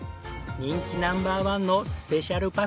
人気ナンバーワンのスペシャルパフェと。